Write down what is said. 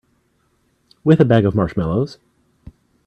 With a bag of marshmallows.